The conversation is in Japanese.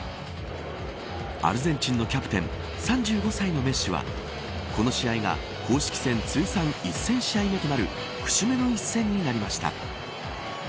アルゼンチンのキャプテン３５歳のメッシはこの試合が公式戦通算１０００試合目となる節目の一戦になりました。